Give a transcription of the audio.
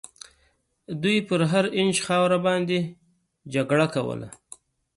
دوی پر هر اینچ خاوره باندي جګړه کوله.